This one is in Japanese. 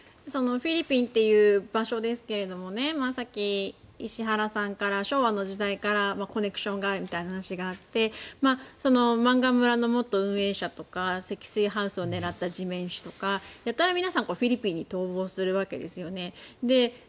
フィリピンという場所ですけれどもさっき石原さんから昭和の時代からコネクションがあるみたいな話があって漫画村の元運営者とか積水ハウスを狙った地面師とかやたら皆さん、フィリピンに逃亡するわけですよね。